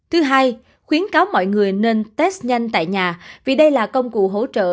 thứ hai khuyến cáo mọi người nên test nhanh tại nhà vì đây là công cụ hỗ trợ